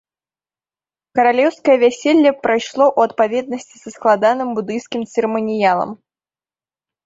Каралеўскае вяселле прайшло ў адпаведнасці са складаным будыйскім цырыманіялам.